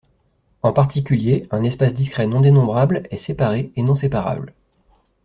En particulier, un espace discret non dénombrable est séparé et non séparable.